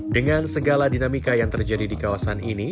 dengan segala dinamika yang terjadi di kawasan ini